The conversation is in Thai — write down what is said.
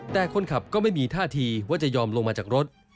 แต่คนขับก็ไม่มีท่าทีว่าจะยอมลงมาจากรถ